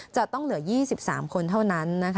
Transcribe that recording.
จะต้องเหลือ๒๓คนเท่านั้น